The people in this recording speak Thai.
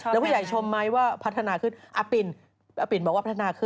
เด็กกว่านะเด็ก